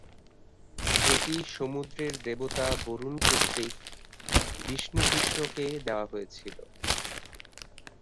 এটি সমুদ্রের দেবতা বরুণ কর্তৃক বিষ্ণু-কৃষ্ণকে দেওয়া হয়েছিল।